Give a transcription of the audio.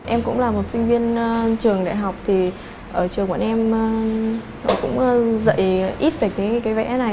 em cũng là một sinh viên trường đại học thì ở trường bọn em cũng dạy ít về cái vẽ này